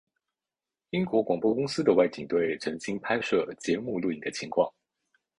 英国广播公司的外景队曾经拍摄节目录影的情况。